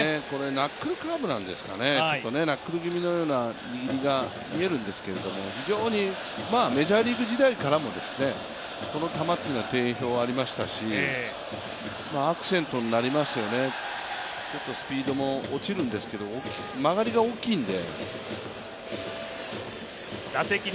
ナックルカーブなんですかね、ナックルのように見えるんですけど、非常にメジャーリーグ時代からもこの球は定評がありましたし、アクセントになりますよね、ちょっとスピードも落ちるんですけど、曲がりが大きいんで。